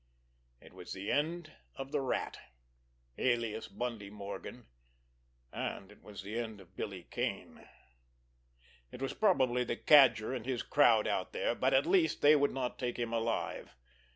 It was the end of the Rat, alias Bundy Morgan—and it was the end of Billy Kane. It was probably the Cadger and his crowd out there, but, at least, they would not take him alive.